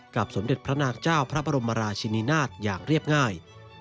สมเด็จพระนางเจ้าพระบรมราชินินาศอย่างเรียบง่าย